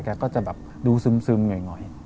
แกก็จะดูซึมเงย